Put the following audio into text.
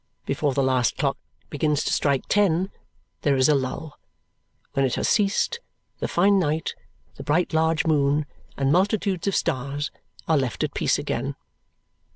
Before the last clock begins to strike ten, there is a lull. When it has ceased, the fine night, the bright large moon, and multitudes of stars, are left at peace again.